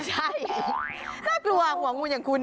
ใช่น่ากลัวหัวงูอย่างคุณ